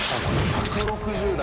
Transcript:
１６０台！